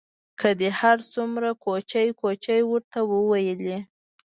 که دې هر څومره کوچې کوچې ورته وویلې.